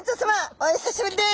お久しぶりです。